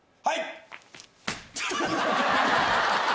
はい！